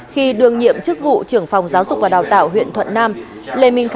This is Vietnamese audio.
khi đương nhiệm chức vụ trưởng phòng giáo dục và đào tạo huyện thuận nam